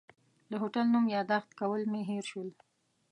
د هوټل نوم یاداښت کول مې هېر شول.